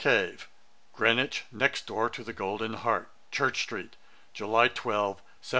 CAVE. 'Greenwich, next door to the Golden Heart, 'Church street, July 12, 1737.